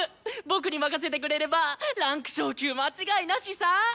僕に任せてくれれば位階昇級間違いなしさ！